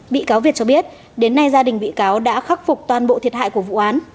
bị cáo việt cho biết đến nay gia đình bị cáo đã khắc phục toàn bộ thiệt hại của vụ án